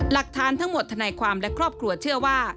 หลักฐานทั้งหมดธนายความและครอบครัวเชื่อว่า